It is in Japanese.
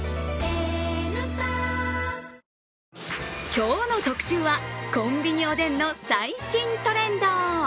今日の特集は、コンビニおでんの最新トレンド。